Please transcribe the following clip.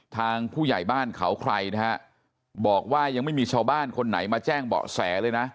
ทางผู้ใหญ่บ้านเขาใครนะฮะบอกว่ายังไม่มีชาวบ้านคนไหนมาแจ้งเบาะแสเลยนะ